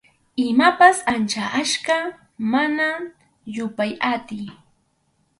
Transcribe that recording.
Imapas ancha achka, mana yupay atiy.